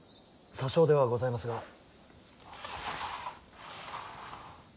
些少ではございますが。